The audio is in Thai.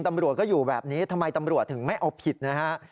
ตำรวจก็อยู่แบบนี้ทำไมตำรวจถึงไม่เอาผิดนะฮะ